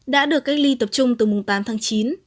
đã được cách ly tập trung từ mùng tám tháng chín